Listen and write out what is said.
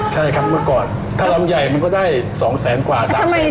ใช่ครับเมื่อก่อนถ้าลำใหญ่มันก็ได้๒แสนกว่า๓แสน